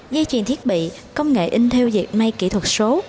dây chuyền thiết bị công nghệ in theo diệt may kỹ thuật số